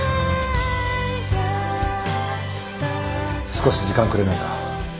少し時間くれないか？